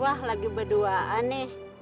wah lagi berduaan nih